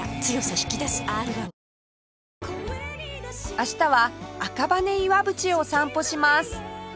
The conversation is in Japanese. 明日は赤羽岩淵を散歩します